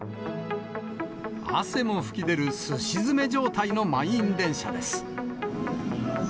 汗も吹き出るすし詰め状態の満員電車です。